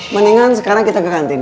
mendingan sekarang kita ke kantin